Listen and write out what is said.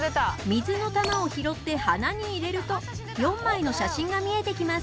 水の玉を拾って花に入れると４枚の写真が見えてきます。